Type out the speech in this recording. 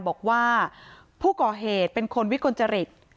บอกว่าผู้ก่อเหตุเป็นคนวิกลจริต